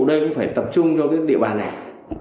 đây cũng phải tập trung cho cái địa bàn này